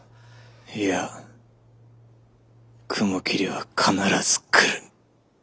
いや雲霧は必ず来る。